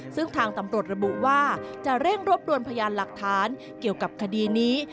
ซึ่งทางตำรวจระบุว่าจะเร่งรบรวมพยานหลักฐานเกี่ยวกับคดีนี้